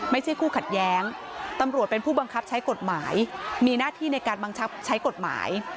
ไม่ใช่คู่ขัดแย้งตำรวจเป็นผู้บังคับใช้กฎหมายมีหน้าที่ในการบังคับใช้กฎหมาย